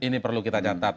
ini perlu kita catat